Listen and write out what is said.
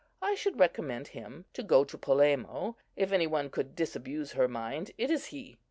I should recommend him to go to Polemo; if any one could disabuse her mind, it is he."